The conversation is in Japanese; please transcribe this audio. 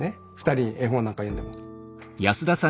２人に絵本なんかを読んでも。